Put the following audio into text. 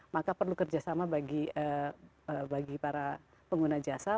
maka perlu kerjasama bagi para pengguna jasa